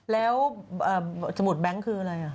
แล้วสมุดแบงค์คืออะไร